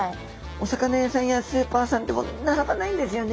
お魚屋さんやスーパーさんでも並ばないんですよね。